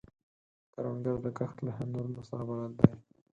کروندګر د کښت له هنرونو سره بلد دی